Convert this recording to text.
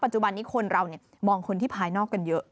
จุบันนี้คนเรามองคนที่ภายนอกกันเยอะ